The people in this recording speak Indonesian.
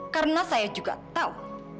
karena saya juga tahu